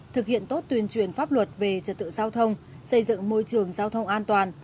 thực hiện tốt tuyên truyền pháp luật về trật tự giao thông xây dựng môi trường giao thông an toàn